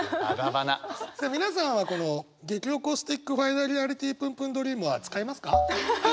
皆さんはこの激おこスティックファイナリアリティぷんぷんドリームは使いますか？